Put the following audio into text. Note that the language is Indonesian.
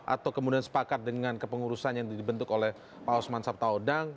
atau kemudian sepakat dengan kepengurusan yang dibentuk oleh pak osman sabtaodang